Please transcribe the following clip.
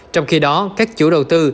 trong khi đó các chủ đầu tư